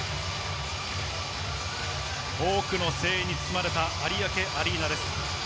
多くの声援に包まれた有明アリーナです。